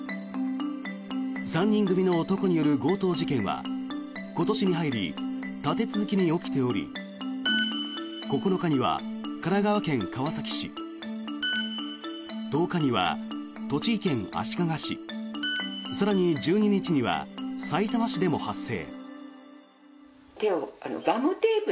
３人組の男による強盗事件は今年に入り立て続けに起きており９日には神奈川県川崎市１０日には栃木県足利市更に１２日にはさいたま市でも発生。